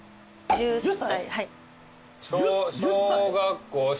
１０歳。